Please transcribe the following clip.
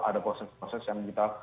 ada proses proses yang kita